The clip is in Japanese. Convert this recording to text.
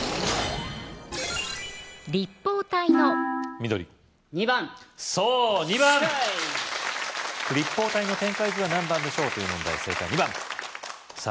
緑２番そう２番立方体の展開図は何番でしょうという問題正解２番さぁ